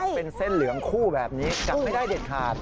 เป็นเส้นเหลืองคู่แบบนี้จับไม่ได้เด็ดขาด